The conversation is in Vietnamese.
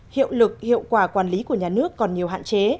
hiệu lực hiệu quả quản lý của nhà nước còn nhiều hạn chế